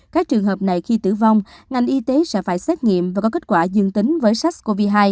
các trường hợp này khi tử vong ngành y tế sẽ phải xét nghiệm và có kết quả dương tính với sars cov hai